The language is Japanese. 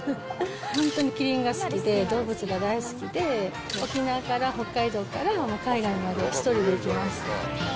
本当にキリンが好きで、動物が大好きで、沖縄から北海道から海外まで、１人で行きます。